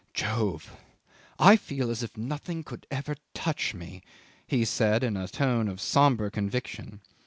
'"Jove! I feel as if nothing could ever touch me," he said in a tone of sombre conviction.